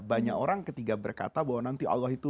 banyak orang ketika berkata bahwa nanti allah itu